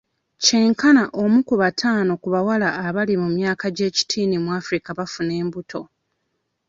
Kyenkana omu ku bataano ku bawala abali mu myaka egy'ekitiini mu Africa bafuna embuto.